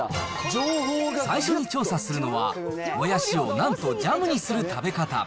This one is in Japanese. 最初に調査するのは、もやしをなんとジャムにする食べ方。